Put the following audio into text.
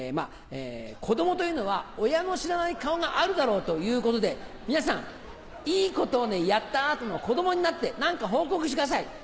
子供というのは親の知らない顔があるだろうということで皆さんいいことをやった後の子供になって何か報告してください。